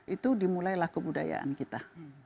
itu dimulailah kebudayaan kita